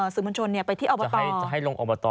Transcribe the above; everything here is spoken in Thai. สื่อมวลชนไปที่อบตไปจะให้ลงอบต